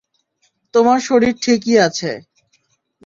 তোমার শরীর ঠিকই আছে।